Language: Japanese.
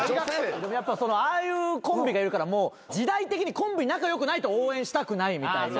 やっぱああいうコンビがいるからもう時代的にコンビ仲良くないと応援したくないみたいな。